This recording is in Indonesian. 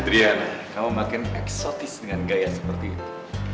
drian kamu makin eksotis dengan gaya seperti itu